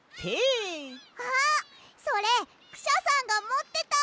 あっそれクシャさんがもってた！